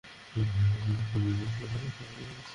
এতটা সময় ধরে ইটারনালস আর ডিভিয়েন্টদের মধ্যে লড়াই চলেছে।